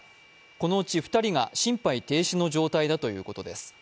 このうち２人が心肺停止の状態だということです。